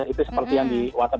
itu seperti yang di whatsapp